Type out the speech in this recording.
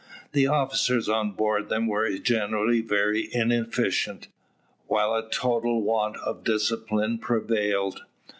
The officers on board them were generally very inefficient, while a total want of discipline prevailed.